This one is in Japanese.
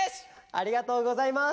ありがとうございます。